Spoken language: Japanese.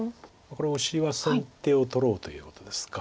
これオシは先手を取ろうということですか。